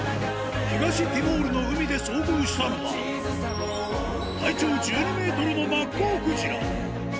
東ティモールの海で遭遇したのは、体長１２メートルのマッコウクジラ。